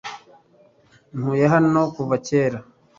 Ntuye hano kuva kera.